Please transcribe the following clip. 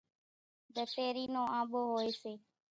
ڌسيرِي نو آنٻو هوئيَ سي۔